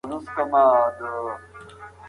کار د اړیکو برخه ده.